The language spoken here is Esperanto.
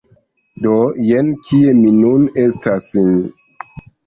Do, jen kie mi nun estas...